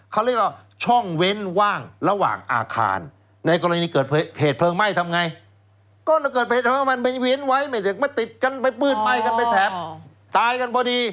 เขาเรียกว่าช่องเว้นว่างระหว่างอาคารในกรณีเกิดเหตุเพลิงไหม้ทำไงก็เกิดเหตุว่ามันไปเว้นไว้ไม่เด็กมาติดกันไปปื้นไหม้กันไปแถบตายกันพอดี